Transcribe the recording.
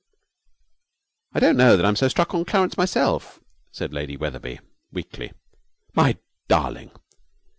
'I don't know that I'm so stuck on Clarence myself,' said Lady Wetherby, weakly. 'My darling!'